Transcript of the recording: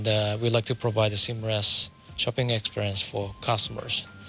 และเราอยากให้ผู้บริษัทมีความสนใจขึ้นของสินค้า